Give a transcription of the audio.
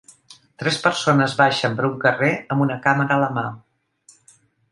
Tres persones baixen per un carrer amb una càmera a la mà.